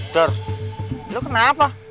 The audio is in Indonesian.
dar lo kenapa